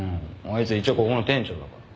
あいつ一応ここの店長だから。